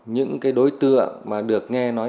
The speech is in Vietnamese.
những cái đối tượng mà được nghe nói